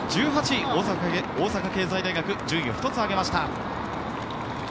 １８位、大阪経済大学順位を１つ上げました。